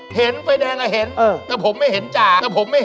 เป็นไงพี่